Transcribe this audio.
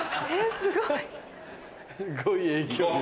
すごい影響力。